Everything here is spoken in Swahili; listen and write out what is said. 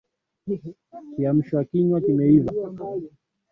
Kiamsha kinywa kimeiva